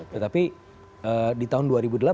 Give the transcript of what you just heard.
tetapi di tahun dua ribu delapan